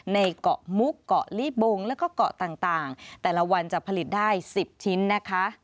ในเกาะมุกเกาะลิบงแล้วก็เกาะต่างแต่ละวันจะผลิตได้๑๐ชิ้นนะคะ